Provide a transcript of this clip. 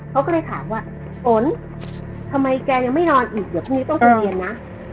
เขาก็เลยถามว่าฝนทำไมแกยังไม่นอนอีกเดี๋ยวพรุ่งนี้ต้องไปเรียนนะ